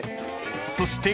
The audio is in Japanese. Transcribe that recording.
［そして］